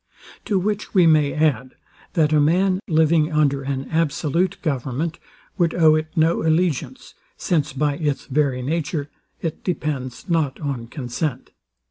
To which we may add, that a man living under an absolute government, would owe it no allegiance; since, by its very nature, it depends not on consent.